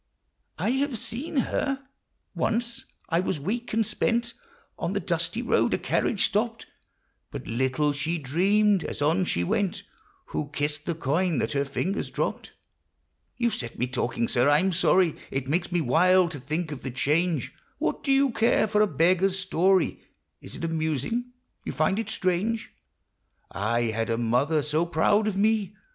I have seen her ? Once : I was weak and spent On the dusty road ; a carriage stopped ; But little she dreamed, as on she went, Who kissed the coin that her fingers dropped ! You 've set me talking, sir ; I 'm sorry ; It makes me wild to think of the change ! What do you care for a beggar's story ? Is it amusing ? you find it strange ? I had a mother so proud of me